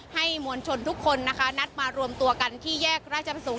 มวลชนทุกคนนะคะนัดมารวมตัวกันที่แยกราชประสงค์